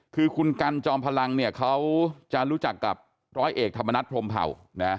คือคุณกันจอมพลังเนี่ยเขาจะรู้จักกับร้อยเอกธรรมนัฐพรมเผ่านะ